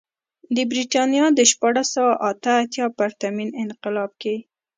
د برېټانیا د شپاړس سوه اته اتیا پرتمین انقلاب کې.